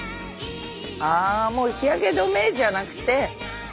あもう日焼け止めじゃなくて。